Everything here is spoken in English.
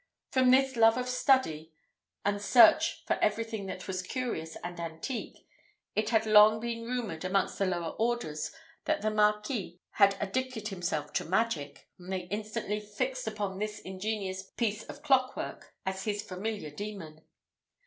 From his love of study, and search for everything that was curious and antique, it had long been rumoured, amongst the lower orders, that the marquis had addicted himself to magic, and they instantly fixed upon this ingenious piece of clockwork as his familiar demon.